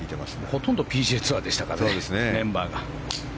ほとんどＰＧＡツアーでしたからね、メンバーが。